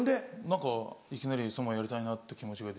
何かいきなり相撲やりたいなって気持ちが出て来て。